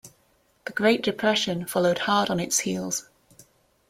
The Great Depression followed hard on its heels.